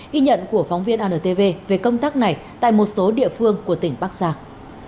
ghi nhận của phóng viên antv về công tác này tại một số địa phương của tỉnh bắc giang